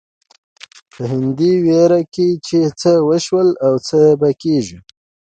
په همدې وېره کې چې څه وشول او څه به کېږي.